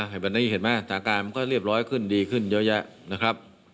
เห็นไหมทางการมันก็เรียบร้อยขึ้นดีขึ้นเยอะแยะนะครับ